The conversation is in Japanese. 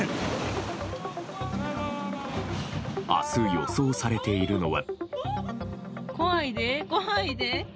明日、予想されているのは。